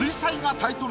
タイトル。